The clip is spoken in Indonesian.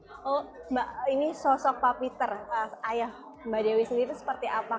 oh mbak ini sosok pak peter ayah mbak dewi sendiri itu seperti apa